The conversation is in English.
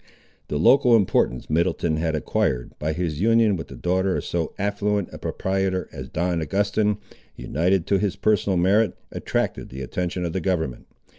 The local importance Middleton had acquired, by his union with the daughter of so affluent a proprietor as Don Augustin, united to his personal merit, attracted the attention of the government.